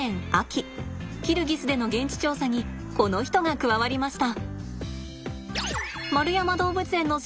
キルギスでの現地調査にこの人が加わりました。